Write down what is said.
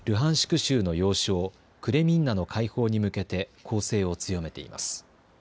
州の要衝、クレミンナの解放に向けて、攻勢を強めています。